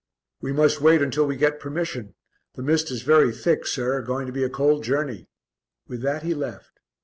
"We must wait until we get permission; the mist is very thick, sir going to be a cold journey." With that he left.